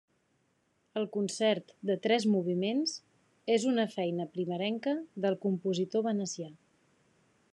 El concert, de tres moviments, és una feina primerenca del compositor venecià.